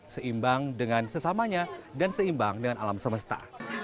seimbang dengan sesamanya dan seimbang dengan alam semesta